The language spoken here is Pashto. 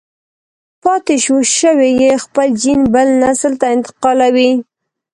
پاتې شوی يې خپل جېن بل نسل ته انتقالوي.